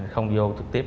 không vô thực tiếp